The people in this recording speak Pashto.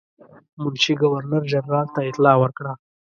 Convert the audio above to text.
منشي ګورنر جنرال ته اطلاع ورکړه.